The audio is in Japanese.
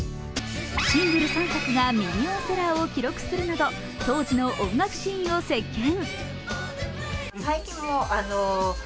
シングル３作がミリオンセラーを記録するなど当時の音楽シーンを席巻。